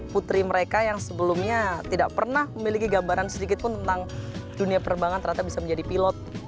putri mereka yang sebelumnya tidak pernah memiliki gambaran sedikit pun tentang dunia perbankan ternyata bisa menjadi pilot